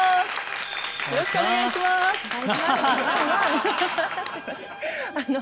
よろしくお願いします。